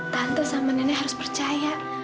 tante sama nenek harus percaya